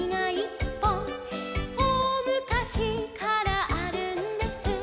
「おおむかしからあるんです」